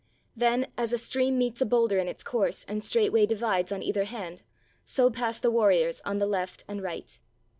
Then as a stream meets a boulder in its course and straightway divides on either hand, so passed the warriors on the left and right.